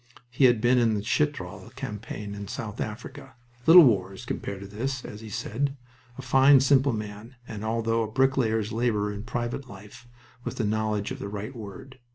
He had been in the Chitral campaign and South Africa "Little wars compared to this," as he said. A fine, simple man, and although a bricklayer's laborer in private life, with a knowledge of the right word.